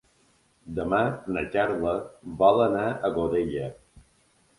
Demà na Carla vol anar a Godella.